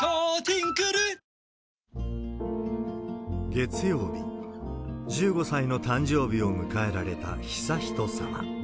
月曜日、１５歳の誕生日を迎えられた悠仁さま。